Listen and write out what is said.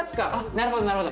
なるほどなるほど。